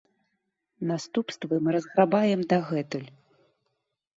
Наступствы мы разграбаем дагэтуль.